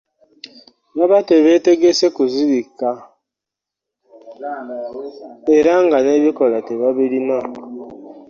Baba tebeetegese kuzibikka era nga n’ebikoola tebabirina.